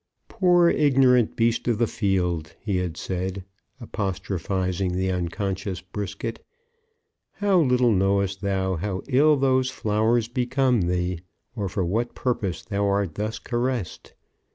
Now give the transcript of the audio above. "Poor ignorant beast of the field!" he had said, apostrophizing the unconscious Brisket, "how little knowest thou how ill those flowers become thee, or for what purpose thou art thus caressed!